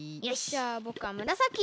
じゃあぼくはむらさき！